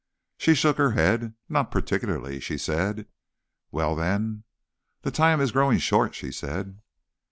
She shook her head. "Not particularly," she said. "Well, then—" "The time is growing short," she said.